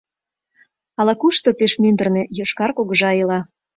Ала-кушто, пеш мӱндырнӧ, йошкар кугыжа ила.